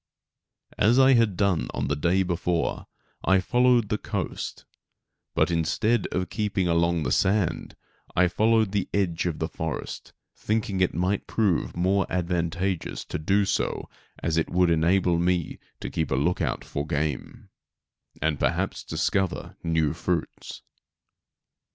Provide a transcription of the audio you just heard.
As I had done the day before I followed the coast, but instead of keeping along the sand I followed the edge of the forest, thinking it might prove more advantageous to do so as it would enable me to keep a look out for game, and perhaps discover new fruits.